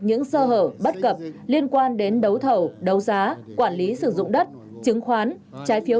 những sơ hở bất cập liên quan đến đấu thầu đấu giá quản lý sử dụng đất chứng khoán trái phiếu